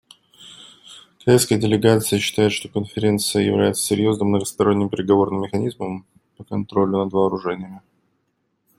Китайская делегация считает, что Конференция является серьезным многосторонним переговорным механизмом по контролю над вооружениями.